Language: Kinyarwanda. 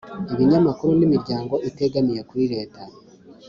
ibinyamakuru n'imiryango itegamiye kuri leta,